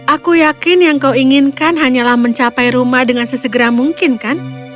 aku yakin yang kau inginkan hanyalah mencapai rumah dengan sesegera mungkin kan